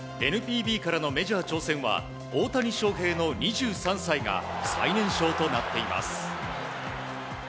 ＮＰＢからのメジャー挑戦は大谷翔平選手の２３歳が最年少となっています。